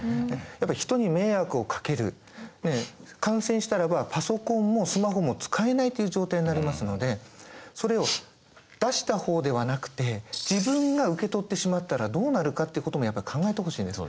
やっぱ人に迷惑をかける感染したらばパソコンもスマホも使えないという状態になりますのでそれを出したほうではなくて自分が受け取ってしまったらどうなるかっていうこともやっぱり考えてほしいんです。